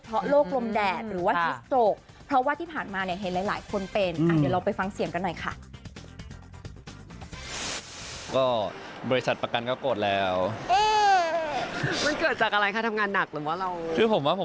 เพราะโรคลมแดดหรือว่าทิสโตร์